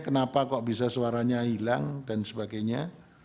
kenapa kok bisa suaranya hilang dan sebagainya